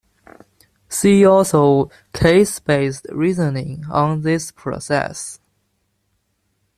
See also case-based reasoning on this process.